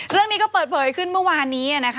เรื่องนี้ก็เปิดเผยขึ้นเมื่อวานนี้นะคะ